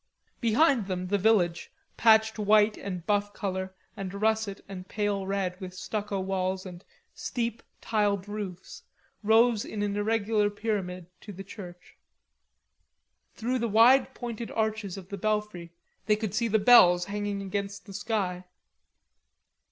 Behind them the village, patched white and buff color and russet and pale red with stucco walls and steep, tiled roofs, rose in an irregular pyramid to the church. Through the wide pointed arches of the belfry they could see the bells hanging against the sky.